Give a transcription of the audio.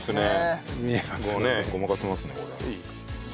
ごまかせますねこれ。